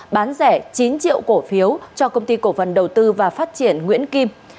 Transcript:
bán rẻ chín triệu cổ phiếu cho công ty cổ phần đầu tư và phát triển nguyễn kim